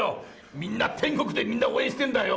みんな天国でみんな応援してんだよ。